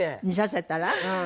見させたら？